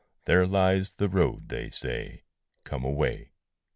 There lies the road, they say Come, away!